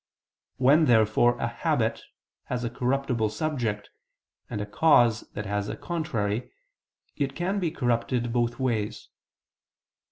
When therefore a habit has a corruptible subject, and a cause that has a contrary, it can be corrupted both ways.